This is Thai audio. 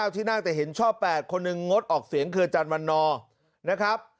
ที่นั่งแต่เห็นชอบ๘คนหนึ่งงดออกเสียงคืออาจารย์วันนอร์นะครับ